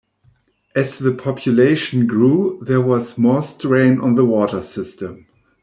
As the population grew there was more strain on the water system.